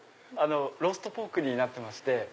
ローストポークになってまして。